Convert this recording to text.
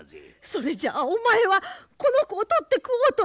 それじゃお前はこの子を取って食おうとでも！？